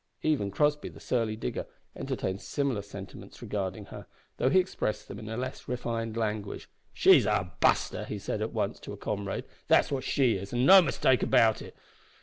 Even Crossby, the surly digger, entertained similar sentiments regarding her, though he expressed them in less refined language. "She's a bu'ster," he said once to a comrade, "that's what she is, an' no mistake about it.